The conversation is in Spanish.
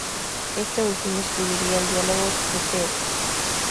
Este último escribiría el diálogo "Teeteto".